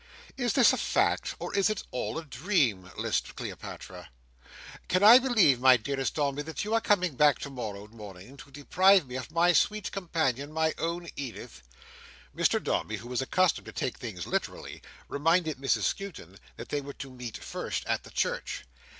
"Is this a fact, or is it all a dream!" lisped Cleopatra. "Can I believe, my dearest Dombey, that you are coming back tomorrow morning to deprive me of my sweet companion; my own Edith!" Mr Dombey, who was accustomed to take things literally, reminded Mrs Skewton that they were to meet first at the church.